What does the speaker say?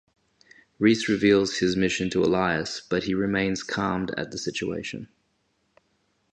Reese reveals his mission to Elias but he remains calmed at the situation.